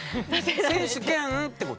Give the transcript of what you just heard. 選手兼ってこと？